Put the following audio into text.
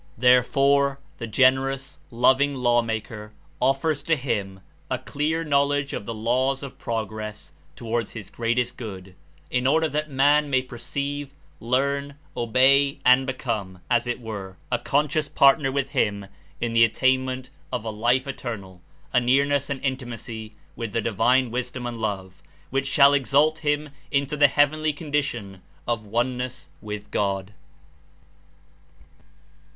Therefore the generous, loving Law maker offers to him a clear knowledge of the laws of progress toward his great est good, In order that man may perceive, learn, obey and become, as it were, a conscious partner with Him In the attainment of a Life Eternal, a nearness and Intimacy with the Divine Wisdom and Love, which shall exalt him Into the heavenly condition of "one ness with God."